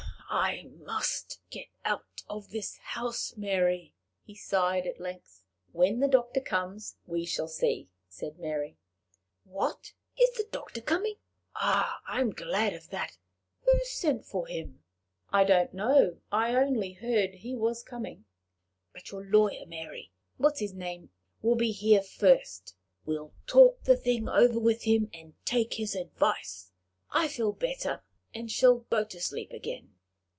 "I must get out of this house, Mary," he sighed at length. "When the doctor comes, we shall see," said Mary. "What! is the doctor coming? I am glad of that. Who sent for him?" "I don't know; I only heard he was coming." "But your lawyer, Mary what's his name? will be here first: we'll talk the thing over with him, and take his advice. I feel better, and shall go to sleep again."